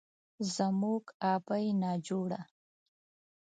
زموږ ابۍ ناجوړه،